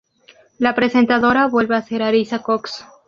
La presentadora vuelve a ser Arisa Cox.